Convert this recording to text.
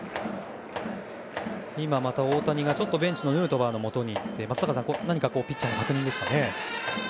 今、また大谷がベンチのヌートバーのもとで何か、ピッチャーの確認でしょうか。